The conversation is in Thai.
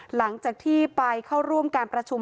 หลังจากที่ไปเข้าร่วมการประชุม